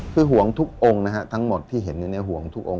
คือห่วงทุกองค์นะครับทั้งหมดที่เห็นในในห่วงทุกองค์